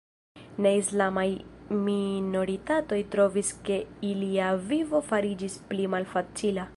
Ne-islamaj minoritatoj trovis ke ilia vivo fariĝis pli malfacila.